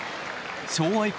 昭和以降